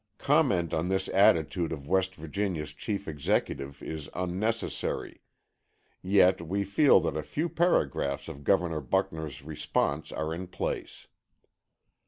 Comment on this attitude of West Virginia's chief executive is unnecessary. Yet we feel that a few paragraphs of Governor Buckner's response are in place.